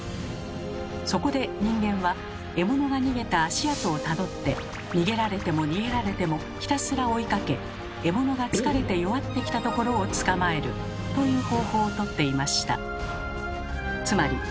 そこで人間は獲物が逃げた足跡をたどって逃げられても逃げられてもひたすら追いかけ獲物が疲れて弱ってきたところを捕まえるという方法をとっていました。